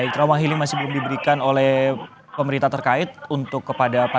trauma healing masih belum diberikan oleh pemerintah terkait untuk kepada